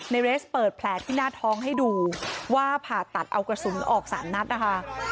เรสเปิดแผลที่หน้าท้องให้ดูว่าผ่าตัดเอากระสุนออกสามนัดนะคะ